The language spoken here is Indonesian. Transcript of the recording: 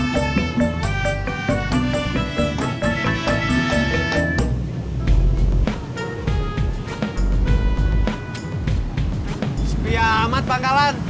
supiah amat bangkalan